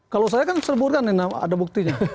kalau saya kan sebutkan ada buktinya